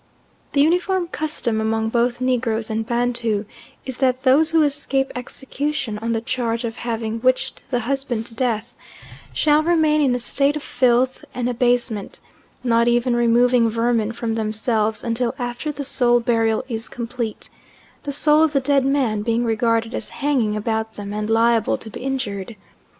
The uniform custom among both Negroes and Bantus is that those who escape execution on the charge of having witched the husband to death, shall remain in a state of filth and abasement, not even removing vermin from themselves, until after the soul burial is complete the soul of the dead man being regarded as hanging about them and liable to be injured.